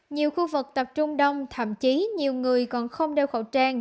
nhiều khu vực tập trung đông thậm chí nhiều người còn không đeo khẩu trang